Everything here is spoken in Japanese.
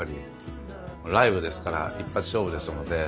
ライブですから一発勝負ですので。